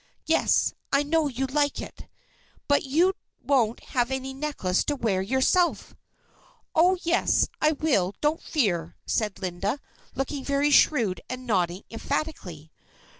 "Yes. I know you like it." "But you won't have any necklace to wear yourself!" "Oh, yes, I will. Don't fear," said Linda, looking very shrewd and nodding emphatically.